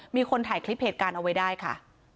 มีคนถ่ายคลิปเหตุการณ์เอาไว้ได้ค่ะ